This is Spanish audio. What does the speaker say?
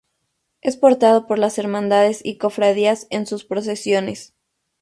Es portado por las hermandades y cofradías en sus procesiones.